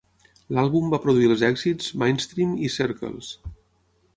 L'àlbum va produir els èxits "Mindstream" i "Circles".